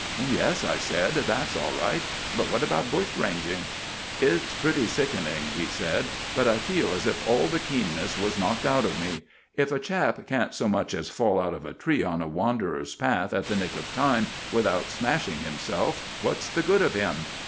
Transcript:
"Yes," I said, "that's all right, but what about bushranging?" "It's pretty sickening," he said, "but I feel as if all the keenness was knocked out of me. If a chap can't so much as fall out of a tree on a wanderer's path at the nick of time without smashing himself, what's the good of him?"